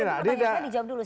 tanya saya dijawab dulu